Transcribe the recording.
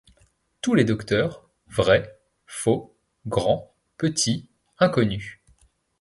Tous les docteurs, vrais, faux, grands, petits, inconnus